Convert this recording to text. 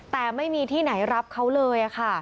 แต่ไม่มีที่ไหนรับเขาเลยค่ะ